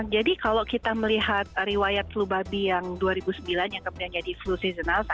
kalau kita melihat riwayat flu babi yang dua ribu sembilan yang kemudian jadi flu seasonal